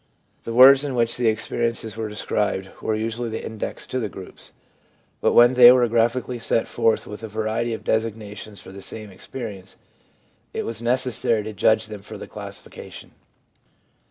The words in which the experiences were described were usually the index to the groups ; but when they were graphically set forth with a variety of designations for the same experience, it was necessary to judge them for the classification.